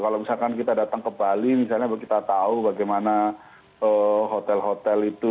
kalau misalkan kita datang ke bali misalnya kita tahu bagaimana hotel hotel itu